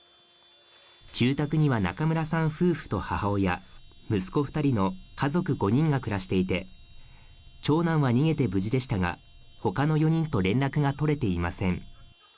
住宅には中村さん夫婦と母親息子２人の家族５人が暮らしていて、長男は逃げて無事でしたが、他の４人と連絡が取れていません。